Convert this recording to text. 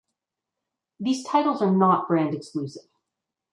These titles are not brand exclusive.